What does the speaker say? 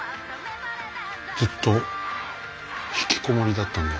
ずっとひきこもりだったんだよ。